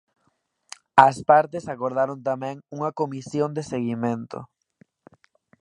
As partes acordaron tamén unha comisión de seguimento.